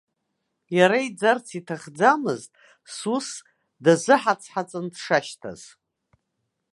Иара иӡарц иҭахӡамызт, сус дазыҳаҵҳаҵан дшашьҭаз.